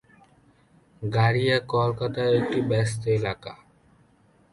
গড়িয়া কলকাতার একটি ব্যস্ত এলাকা।